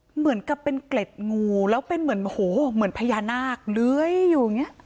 เหมือนกับเป็นเกล็ดงูแล้วเป็นเหมือนโอ้โหเหมือนพญานาคเลื้อยอยู่อย่างเงี้ย